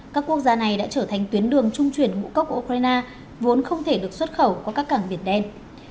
các quốc gia này đã trở thành tuyến đường trung chuyển ngũ cốc của ukraine vốn không thể được xuất khẩu qua các cảng biển đen